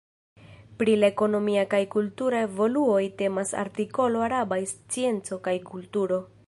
Pri la ekonomia kaj kultura evoluoj temas artikolo arabaj scienco kaj kulturo.